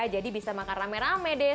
jadi bisa makan rame rame deh